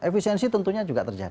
efisiensi tentunya juga terjadi